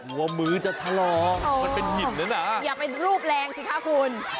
หัวมือจะทะลองมันเป็นหินเลยนะอย่าเป็นรูปแรงสิคะคุณ